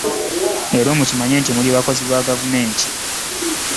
Leero mukimanye nti muli bakozi ba gavumenti.